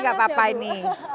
gak apa apa ini